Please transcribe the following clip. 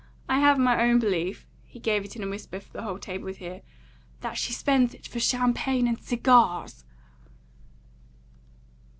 I have my own belief" he gave it in a whisper for the whole table to hear "that she spends it for champagne and cigars."